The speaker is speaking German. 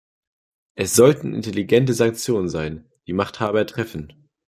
Es sollten intelligente Sanktionen sein, die die Machthaber treffen.